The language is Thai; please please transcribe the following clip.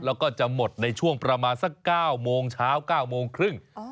แล้วก็จะหมดในช่วงประมาณสัก๙โมงเช้า๙โมงครึ่ง